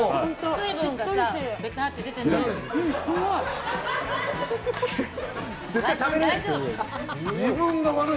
水分がベターって出てない。